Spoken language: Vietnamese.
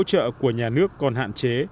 mức hỗ trợ của nhà nước còn hạn chế